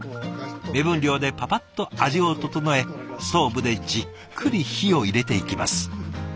目分量でパパッと味を調えストーブでじっくり火を入れていきます。